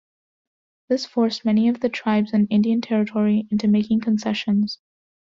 This forced many of the tribes in Indian Territory into making concessions.